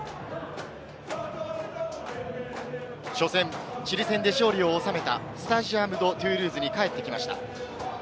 初戦、チリ戦で勝利を収めたスタジアム・ド・トゥールーズに帰ってきました。